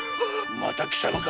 また貴様か。